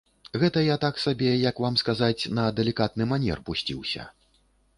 Гэта я так сабе, як вам сказаць, на далікатны манер пусціўся.